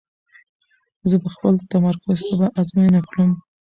زه به خپل تمرکز سبا ازموینه کړم.